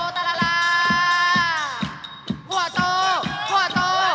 โอ้โหโอ้โหโอ้โห